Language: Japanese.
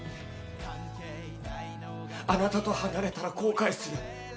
あなたと離れたら後悔する。